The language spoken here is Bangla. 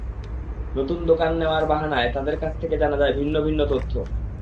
নতুন দোকান নেওয়ার বাহানায় তাঁদের কাছ থেকে জানা যায় ভিন্ন ভিন্ন তথ্য।